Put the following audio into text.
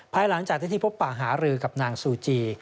ภายหลังจากที่พบป่าหารือกับนางซูจี